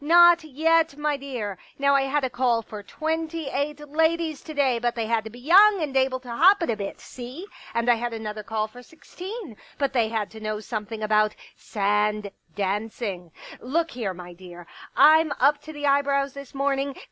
Not yet, my dear. Now I had a call for twenty eight ladies to day, but they had to be young and able to hop j it a bit — see ? And I had another call for sixteen —| but they had to know something about sand dancing. Look here, my dear, Fm up to the eyebrows this morning.